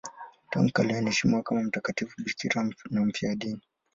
Tangu kale anaheshimiwa kama mtakatifu bikira na mfiadini.